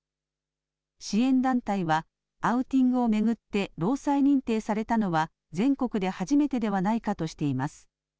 支援団体は、アウティングを巡って労災認定されたのは、全国で初めてではないかとしています。